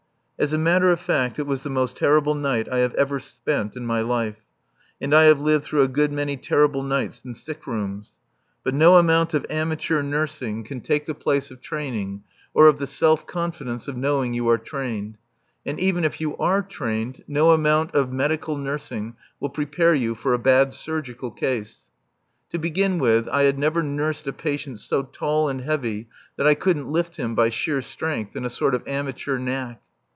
As a matter of fact it was the most terrible night I have ever spent in my life; and I have lived through a good many terrible nights in sick rooms. But no amount of amateur nursing can take the place of training or of the self confidence of knowing you are trained. And even if you are trained, no amount of medical nursing will prepare you for a bad surgical case. To begin with, I had never nursed a patient so tall and heavy that I couldn't lift him by sheer strength and a sort of amateur knack.